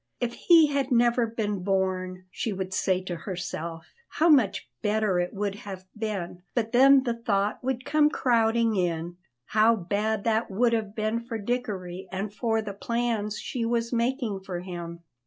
If he had never been born, she would say to herself, how much better it would have been; but then the thought would come crowding in, how bad that would have been for Dickory and for the plans she was making for him.